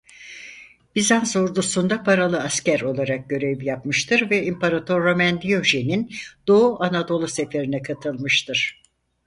Bizans ordusunda paralı asker olarak görev yapmıştır ve İmparator Romen Diyojen'in Doğu Anadolu seferine katılmıştır.